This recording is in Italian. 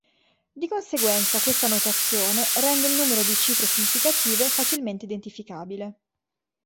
Di conseguenza questa notazione rende il numero di cifre significative facilmente identificabile.